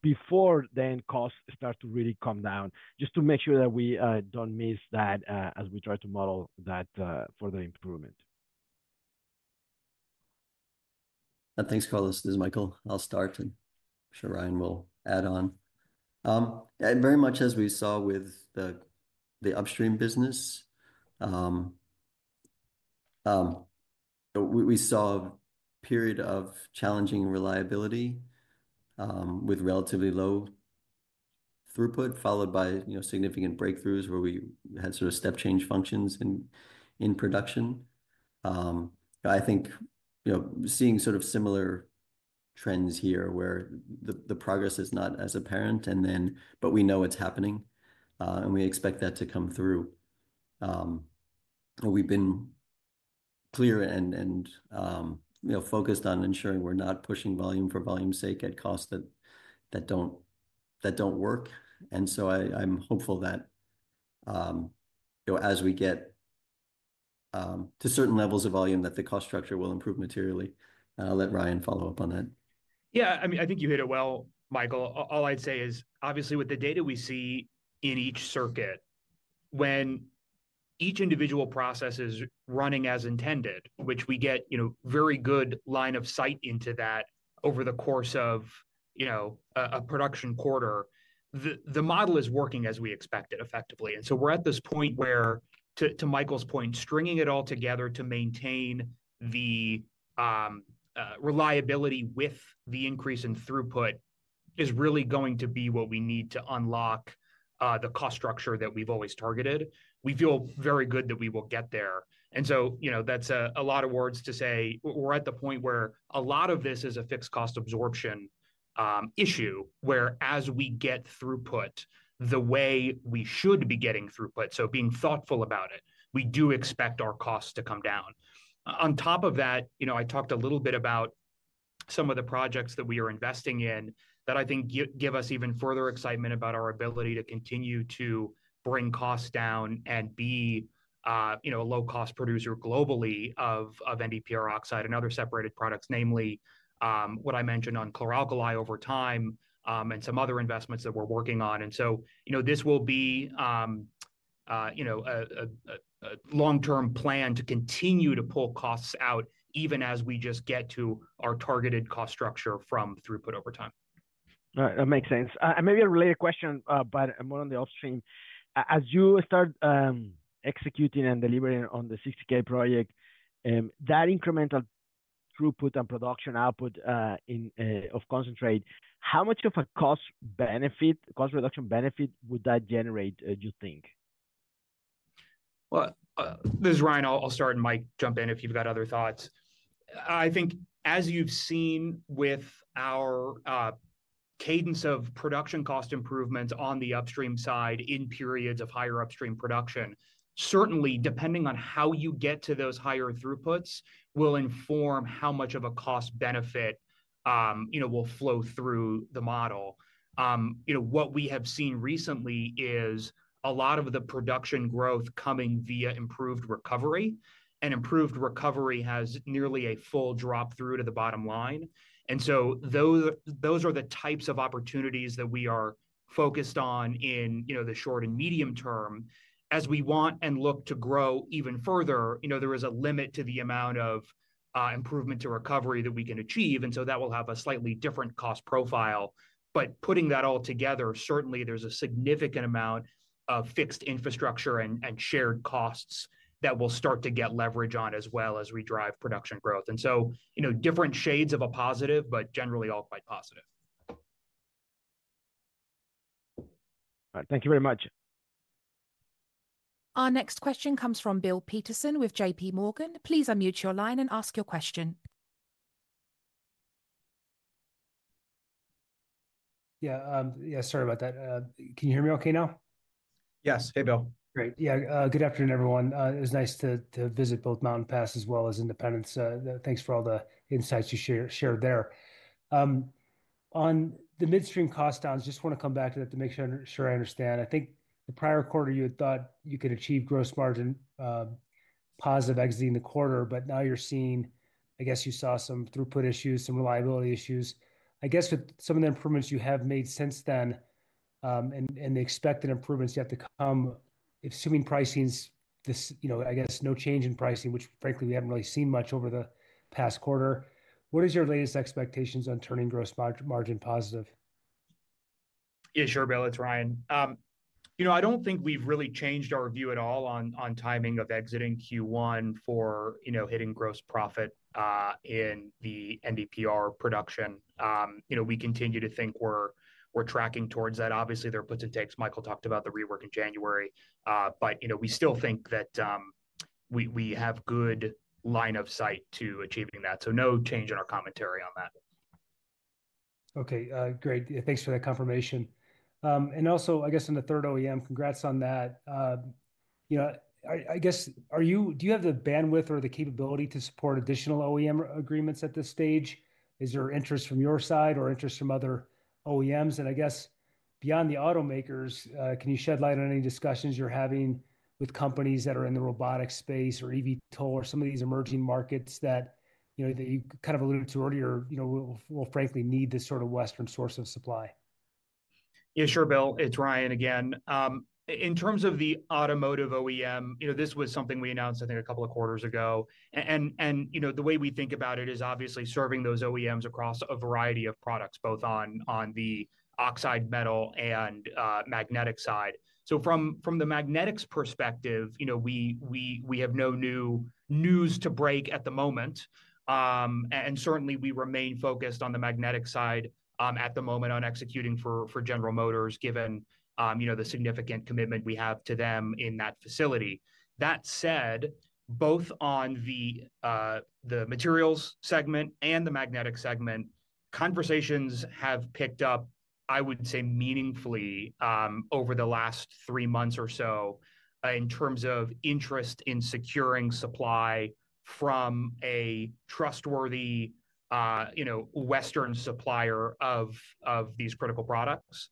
before then costs start to really come down? Just to make sure that we don't miss that as we try to model that for the improvement.
Thanks, Carlos. This is Michael. I'll start, and I'm sure Ryan will add on. Very much as we saw with the upstream business, we saw a period of challenging reliability with relatively low throughput, followed by significant breakthroughs where we had sort of step change functions in production. I think seeing sort of similar trends here where the progress is not as apparent, but we know it's happening, and we expect that to come through. We've been clear and focused on ensuring we're not pushing volume for volume's sake at costs that don't work. And so I'm hopeful that as we get to certain levels of volume, that the cost structure will improve materially. And I'll let Ryan follow up on that.
Yeah. I mean, I think you hit it well, Michael. All I'd say is, obviously, with the data we see in each circuit, when each individual process is running as intended, which we get very good line of sight into that over the course of a production quarter, the model is working as we expect it effectively. And so we're at this point where, to Michael's point, stringing it all together to maintain the reliability with the increase in throughput is really going to be what we need to unlock the cost structure that we've always targeted. We feel very good that we will get there. And so that's a lot of words to say. We're at the point where a lot of this is a fixed cost absorption issue where, as we get throughput, the way we should be getting throughput, so being thoughtful about it, we do expect our costs to come down. On top of that, I talked a little bit about some of the projects that we are investing in that I think give us even further excitement about our ability to continue to bring costs down and be a low-cost producer globally of NdPr oxide and other separated products, namely what I mentioned on chlor-alkali over time and some other investments that we're working on. And so this will be a long-term plan to continue to pull costs out even as we just get to our targeted cost structure from throughput over time.
All right. That makes sense. And maybe a related question, but more on the upstream. As you start executing and delivering on the 60K project, that incremental throughput and production output of concentrate, how much of a cost reduction benefit would that generate, you think?
Well, this is Ryan. I'll start, and Mike, jump in if you've got other thoughts. I think, as you've seen with our cadence of production cost improvements on the upstream side in periods of higher upstream production, certainly, depending on how you get to those higher throughputs will inform how much of a cost benefit will flow through the model. What we have seen recently is a lot of the production growth coming via improved recovery, and improved recovery has nearly a full drop through to the bottom line, and so those are the types of opportunities that we are focused on in the short and medium term. As we want and look to grow even further, there is a limit to the amount of improvement to recovery that we can achieve, and so that will have a slightly different cost profile. But putting that all together, certainly, there's a significant amount of fixed infrastructure and shared costs that will start to get leverage on as well as we drive production growth. And so different shades of a positive, but generally all quite positive.
All right. Thank you very much.
Our next question comes from Bill Peterson with JPMorgan. Please unmute your line and ask your question.
Yeah. Yeah. Sorry about that. Can you hear me okay now?
Yes. Hey, Bill.
Great. Yeah. Good afternoon, everyone. It was nice to visit both Mountain Pass as well as Independence. Thanks for all the insights you shared there. On the midstream cost downs, just want to come back to that to make sure I understand. I think the prior quarter, you had thought you could achieve gross margin positive exiting the quarter, but now you're seeing, I guess you saw some throughput issues, some reliability issues. I guess with some of the improvements you have made since then and the expected improvements yet to come, assuming pricing's, I guess, no change in pricing, which, frankly, we haven't really seen much over the past quarter, what is your latest expectations on turning gross margin positive?
Yeah. Sure, Bill. It's Ryan. I don't think we've really changed our view at all on timing of exiting Q1 for hitting gross profit in the NdPr production. We continue to think we're tracking towards that. Obviously, there are puts and takes. Michael talked about the rework in January. But we still think that we have good line of sight to achieving that. So no change in our commentary on that.
Okay. Great. Thanks for that confirmation. And also, I guess, in the third OEM, congrats on that. I guess, do you have the bandwidth or the capability to support additional OEM agreements at this stage? Is there interest from your side or interest from other OEMs? And I guess, beyond the automakers, can you shed light on any discussions you're having with companies that are in the robotics space or eVTOL or some of these emerging markets that you kind of alluded to earlier will frankly need this sort of Western source of supply?
Yeah. Sure, Bill. It's Ryan again. In terms of the automotive OEM, this was something we announced, I think, a couple of quarters ago. And the way we think about it is obviously serving those OEMs across a variety of products, both on the oxide metal and magnetic side. From the Magnetics perspective, we have no news to break at the moment. Certainly, we remain focused on the Magnetic side at the moment on executing for General Motors, given the significant commitment we have to them in that facility. That said, both on the Materials segment and the Magnetic segment, conversations have picked up, I would say, meaningfully over the last three months or so in terms of interest in securing supply from a trustworthy Western supplier of these critical products.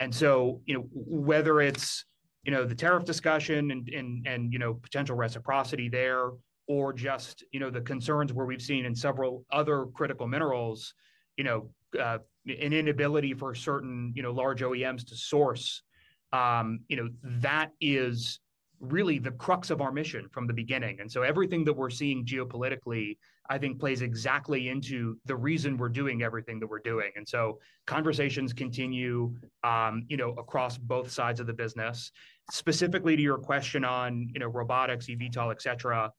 Whether it's the tariff discussion and potential reciprocity there or just the concerns where we've seen in several other critical minerals, an inability for certain large OEMs to source, that is really the crux of our mission from the beginning. Everything that we're seeing geopolitically, I think, plays exactly into the reason we're doing everything that we're doing. Conversations continue across both sides of the business. Specifically to your question on robotics, eVTOL, etc.,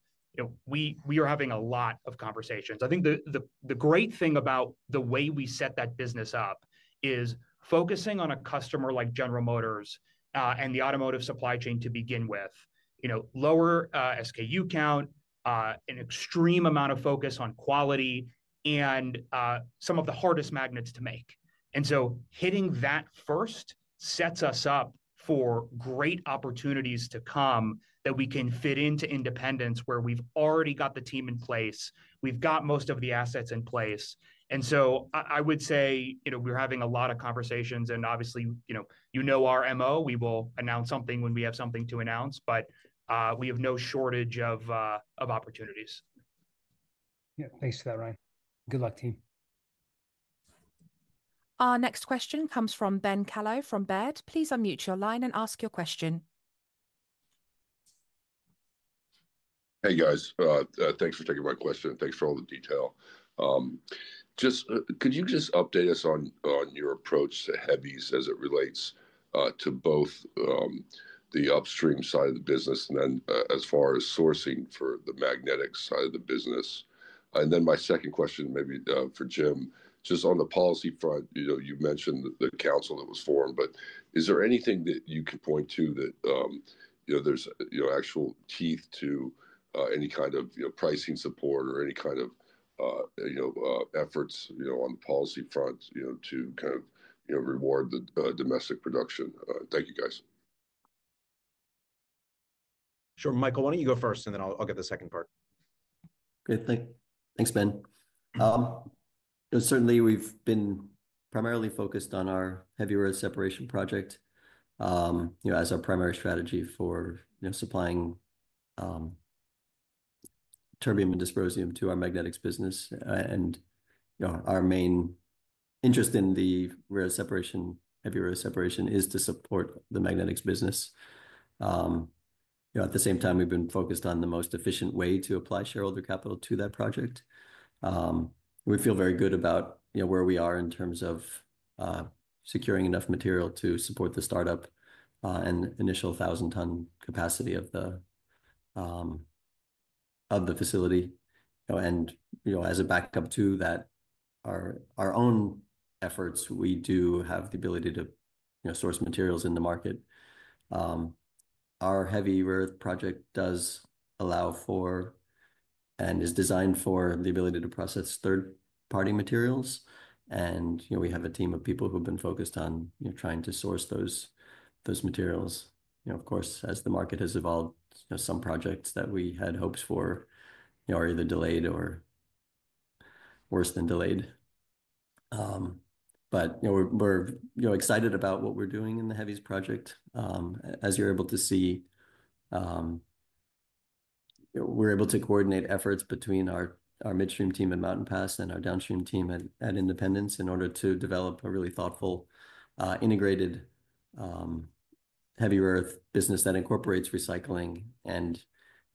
we are having a lot of conversations. I think the great thing about the way we set that business up is focusing on a customer like General Motors and the automotive supply chain to begin with, lower SKU count, an extreme amount of focus on quality, and some of the hardest magnets to make. Hitting that first sets us up for great opportunities to come that we can fit into Independence where we've already got the team in place. We've got most of the assets in place. I would say we're having a lot of conversations. And obviously, you know our MO. We will announce something when we have something to announce, but we have no shortage of opportunities.
Yeah. Thanks for that, Ryan. Good luck, team.
Our next question comes from Ben Kallo from Baird. Please unmute your line and ask your question.
Hey, guys. Thanks for taking my question. Thanks for all the detail. Could you just update us on your approach to heavies as it relates to both the upstream side of the business and then as far as sourcing for the Magnetic side of the business? And then my second question maybe for Jim, just on the policy front, you mentioned the council that was formed, but is there anything that you can point to that there's actual teeth to any kind of pricing support or any kind of efforts on the policy front to kind of reward the domestic production? Thank you, guys.
Sure. Michael, why don't you go first, and then I'll get the second part.
Great. Thanks, Ben. Certainly, we've been primarily focused on our heavy rare separation project as our primary strategy for supplying terbium and dysprosium to our Magnetics business. And our main interest in the rare separation, heavy rare separation, is to support the Magnetics business. At the same time, we've been focused on the most efficient way to apply shareholder capital to that project. We feel very good about where we are in terms of securing enough material to support the startup and initial 1,000-ton capacity of the facility. And as a backup to that, our own efforts, we do have the ability to source materials in the market. Our heavy rare project does allow for and is designed for the ability to process third-party materials. And we have a team of people who have been focused on trying to source those materials. Of course, as the market has evolved, some projects that we had hopes for are either delayed or worse than delayed. But we're excited about what we're doing in the heavies project. As you're able to see, we're able to coordinate efforts between our midstream team at Mountain Pass and our downstream team at Independence in order to develop a really thoughtful integrated heavy rare business that incorporates recycling and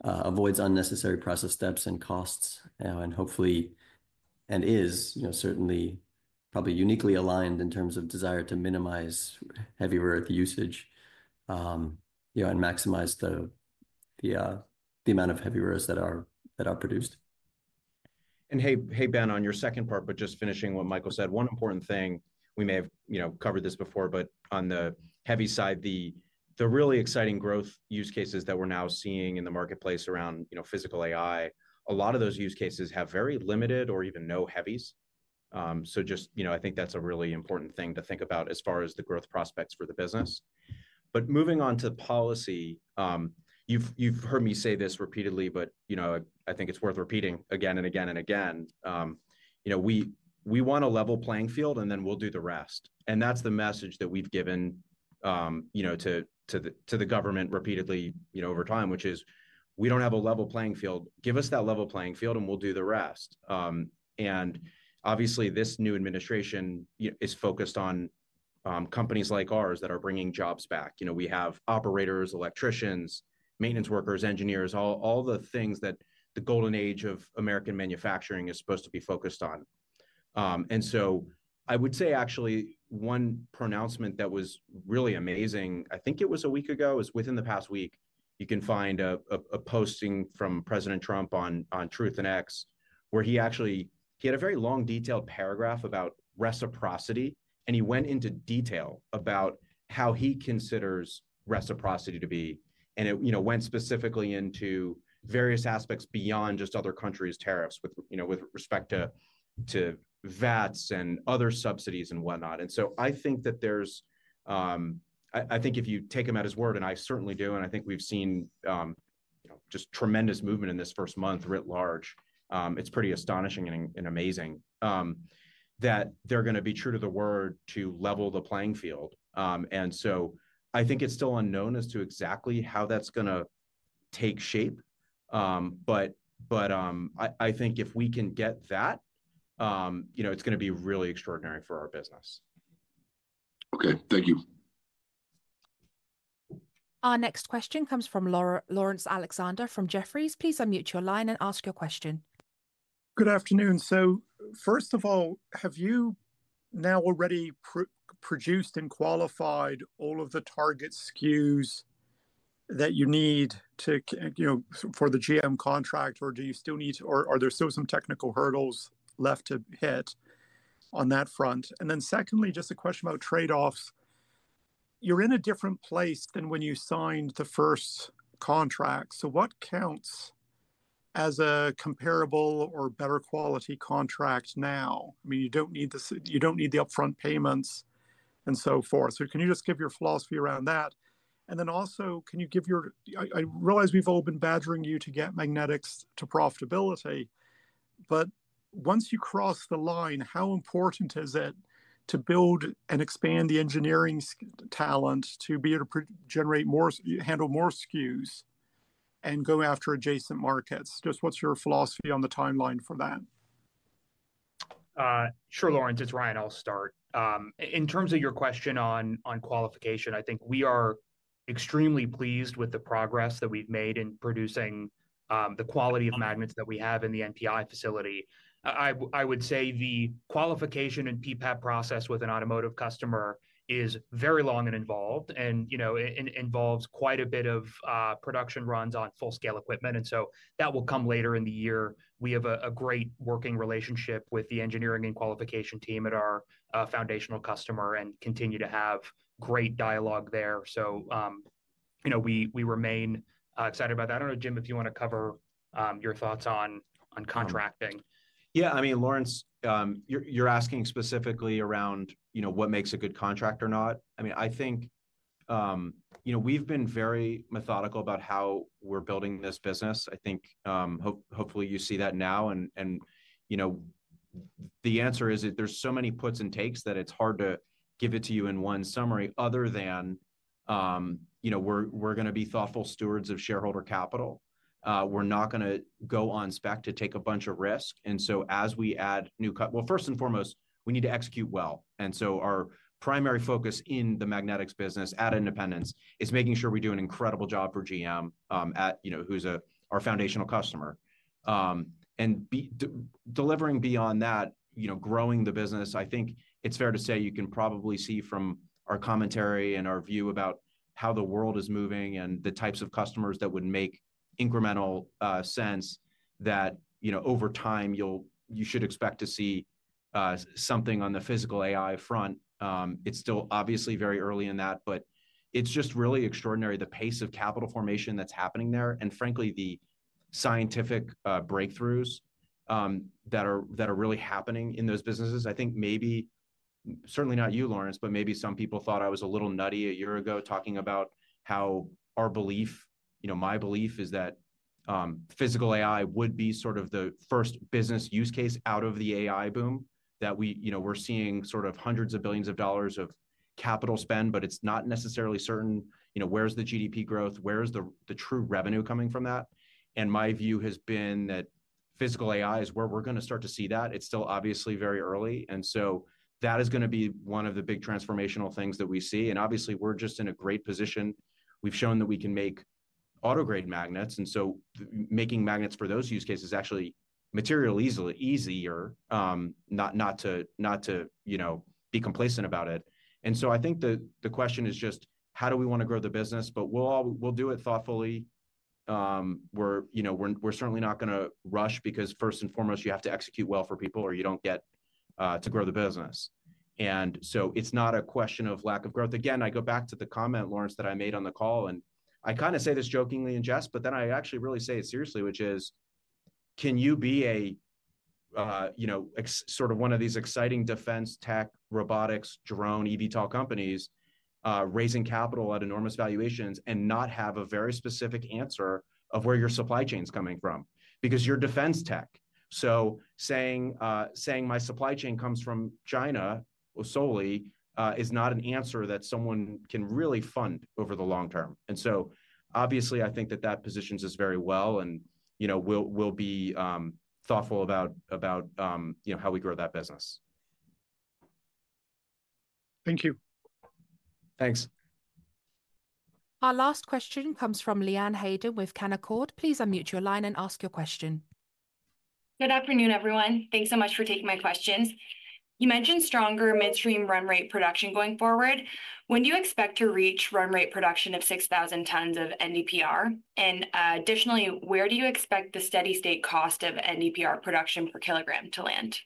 avoids unnecessary process steps and costs, and hopefully and is certainly probably uniquely aligned in terms of desire to minimize heavy rare usage and maximize the amount of heavy rares that are produced.
Hey, Ben, on your second part, but just finishing what Michael said, one important thing we may have covered this before, but on the heavy side, the really exciting growth use cases that we're now seeing in the marketplace around physical AI, a lot of those use cases have very limited or even no heavies. So just I think that's a really important thing to think about as far as the growth prospects for the business. But moving on to policy, you've heard me say this repeatedly, but I think it's worth repeating again and again and again. We want a level playing field, and then we'll do the rest. And that's the message that we've given to the government repeatedly over time, which is, "We don't have a level playing field. Give us that level playing field, and we'll do the rest." And obviously, this new administration is focused on companies like ours that are bringing jobs back. We have operators, electricians, maintenance workers, engineers, all the things that the golden age of American manufacturing is supposed to be focused on. And so I would say, actually, one pronouncement that was really amazing, I think it was a week ago, is within the past week, you can find a posting from President Trump on Truth and X where he actually had a very long detailed paragraph about reciprocity. And he went into detail about how he considers reciprocity to be. And it went specifically into various aspects beyond just other countries' tariffs with respect to VATs and other subsidies and whatnot. And so I think if you take him at his word, and I certainly do, and I think we've seen just tremendous movement in this first month writ large, it's pretty astonishing and amazing that they're going to be true to the word to level the playing field. And so I think it's still unknown as to exactly how that's going to take shape. But I think if we can get that, it's going to be really extraordinary for our business.
Okay. Thank you.
Our next question comes from Laurence Alexander from Jefferies. Please unmute your line and ask your question.
Good afternoon. So first of all, have you now already produced and qualified all of the target SKUs that you need for the GM contract, or do you still need or are there still some technical hurdles left to hit on that front? And then, secondly, just a question about trade-offs. You're in a different place than when you signed the first contract. So what counts as a comparable or better quality contract now? I mean, you don't need the upfront payments and so forth. So can you just give your philosophy around that? And then also, can you give your I realize we've all been badgering you to get Magnetics to profitability, but once you cross the line, how important is it to build and expand the engineering talent to be able to handle more SKUs and go after adjacent markets? Just what's your philosophy on the timeline for that?
Sure, Laurence. It's Ryan. I'll start. In terms of your question on qualification, I think we are extremely pleased with the progress that we've made in producing the quality of magnets that we have in the NPI facility. I would say the qualification and PPAP process with an automotive customer is very long and involved and involves quite a bit of production runs on full-scale equipment. And so that will come later in the year. We have a great working relationship with the engineering and qualification team at our foundational customer and continue to have great dialogue there. So we remain excited about that. I don't know, Jim, if you want to cover your thoughts on contracting.
Yeah. I mean, Laurence, you're asking specifically around what makes a good contract or not. I mean, I think we've been very methodical about how we're building this business. I think hopefully you see that now. And the answer is there's so many puts and takes that it's hard to give it to you in one summary other than we're going to be thoughtful stewards of shareholder capital. We're not going to go on spec to take a bunch of risk. And so as we add new well, first and foremost, we need to execute well. And so our primary focus in the Magnetics business at Independence is making sure we do an incredible job for GM, who's our foundational customer. And delivering beyond that, growing the business, I think it's fair to say you can probably see from our commentary and our view about how the world is moving and the types of customers that would make incremental sense that over time, you should expect to see something on the physical AI front. It's still obviously very early in that, but it's just really extraordinary the pace of capital formation that's happening there. And frankly, the scientific breakthroughs that are really happening in those businesses. I think maybe certainly not you, Laurence, but maybe some people thought I was a little nutty a year ago talking about how our belief, my belief, is that physical AI would be sort of the first business use case out of the AI boom that we're seeing sort of hundreds of billions of dollars of capital spend, but it's not necessarily certain where's the GDP growth, where's the true revenue coming from that. And my view has been that physical AI is where we're going to start to see that. It's still obviously very early. And so that is going to be one of the big transformational things that we see. And obviously, we're just in a great position. We've shown that we can make auto-grade magnets. And so making magnets for those use cases is actually materially easier, not to be complacent about it. I think the question is just, how do we want to grow the business? But we'll do it thoughtfully. We're certainly not going to rush because first and foremost, you have to execute well for people or you don't get to grow the business. It's not a question of lack of growth. Again, I go back to the comment, Laurence, that I made on the call. I kind of say this jokingly and jest, but then I actually really say it seriously, which is, can you be sort of one of these exciting defense tech, robotics, drone, eVTOL companies raising capital at enormous valuations and not have a very specific answer of where your supply chain's coming from? Because you're defense tech. Saying my supply chain comes from China solely is not an answer that someone can really fund over the long term. And so obviously, I think that that positions us very well and will be thoughtful about how we grow that business.
Thank you.
Thanks.
Our last question comes from Leanne Hayden with Canaccord. Please unmute your line and ask your question.
Good afternoon, everyone. Thanks so much for taking my questions. You mentioned stronger midstream run rate production going forward. When do you expect to reach run rate production of 6,000 tons of NdPr? And additionally, where do you expect the steady-state cost of NdPr production per kilogram to land?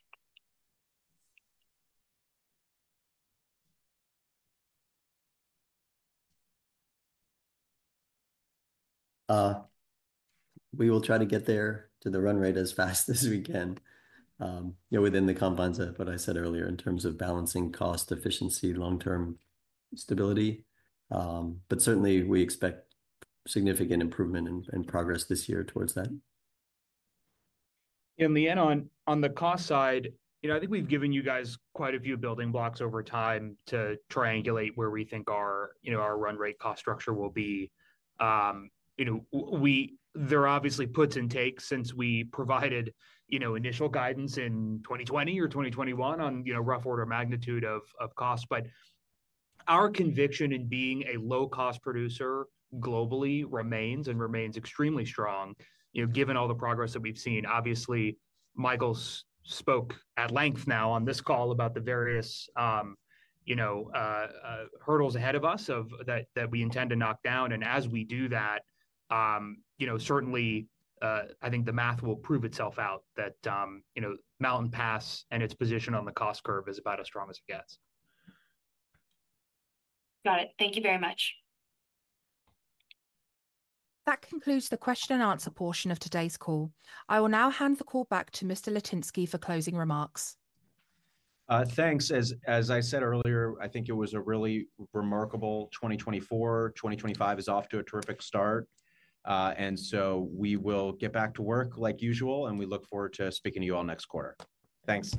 We will try to get there to the run rate as fast as we can within the confines of what I said earlier in terms of balancing cost, efficiency, long-term stability. But certainly, we expect significant improvement and progress this year towards that.
And Leanne, on the cost side, I think we've given you guys quite a few building blocks over time to triangulate where we think our run rate cost structure will be. There are obviously puts and takes since we provided initial guidance in 2020 or 2021 on rough order magnitude of cost. But our conviction in being a low-cost producer globally remains and remains extremely strong given all the progress that we've seen. Obviously, Michael spoke at length now on this call about the various hurdles ahead of us that we intend to knock down. And as we do that, certainly, I think the math will prove itself out that Mountain Pass and its position on the cost curve is about as strong as it gets.
Got it. Thank you very much.
That concludes the question and answer portion of today's call. I will now hand the call back to Mr. Litinsky for closing remarks.
Thanks. As I said earlier, I think it was a really remarkable 2024. 2025 is off to a terrific start, and so we will get back to work like usual, and we look forward to speaking to you all next quarter. Thanks.